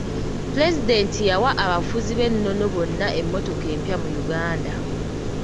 Pulezidenti yawa abafuzi b'ennono bonna emmotoka empya mu Uganda.